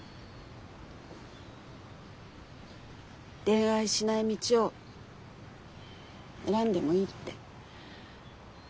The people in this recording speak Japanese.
恋愛しない道を選んでもいいって。